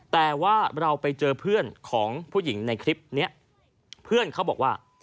แต่ว่าเราไปเจอเพื่อนของผู้หญิงในคลิปนี้เพื่อนเขาบอกว่า